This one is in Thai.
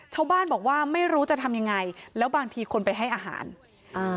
ชาวบ้านบอกว่าไม่รู้จะทำยังไงแล้วบางทีคนไปให้อาหารอ่า